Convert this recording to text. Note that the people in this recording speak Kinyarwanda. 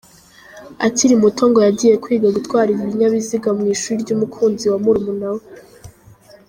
Akiri muto ngo yagiye kwiga gutwara ibinyabiziga mu ishuri ry’umukunzi wa murumuna we.